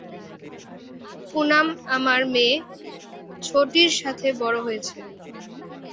পুনাম আমার মেয়ে ছোটির সাথে বড় হয়েছে।